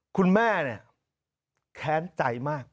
คุณแม่เนี่ยแค้นใจมาก